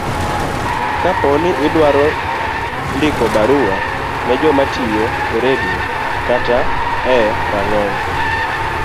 Kapo ni idwaro ndiko barua ne joma tiyo e redio kata e rang'ong